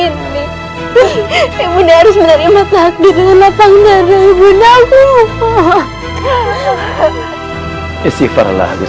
tidak tidak tidak